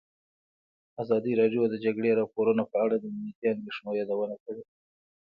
ازادي راډیو د د جګړې راپورونه په اړه د امنیتي اندېښنو یادونه کړې.